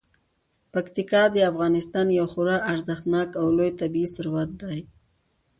پکتیکا د افغانستان یو خورا ارزښتناک او لوی طبعي ثروت دی.